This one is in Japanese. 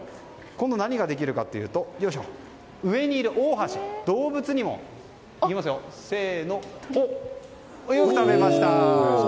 今度は何ができるかというと上にいるオオハシという動物にもほら、よく食べました。